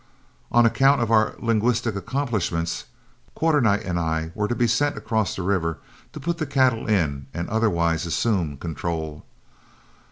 On account of our linguistic accomplishments, Quarternight and I were to be sent across the river to put the cattle in and otherwise assume control.